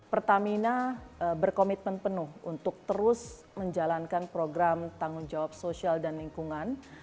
pertamina berkomitmen penuh untuk terus menjalankan program tanggung jawab sosial dan lingkungan